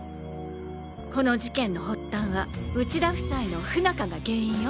この事件の発端は内田夫妻の不仲が原因よ。